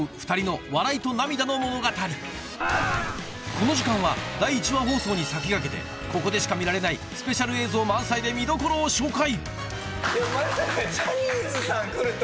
この時間は第１話放送に先駆けてここでしか見られないスペシャル映像満載で見どころを紹介